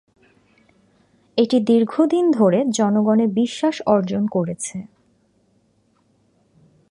এটি দীর্ঘদিন ধরে জনগণের বিশ্বাস অর্জন করেছে।